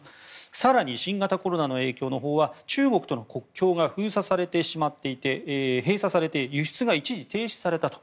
更に新型コロナの影響のほうは中国との国境が閉鎖されて輸出が一時停止されたと。